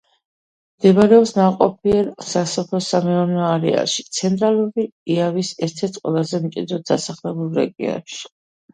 მდებარეობს ნაყოფიერ სასოფლო–სამეურნეო არეალში, ცენტრალური იავის ერთ–ერთ ყველაზე მჭიდროდ დასახლებულ რეგიონში.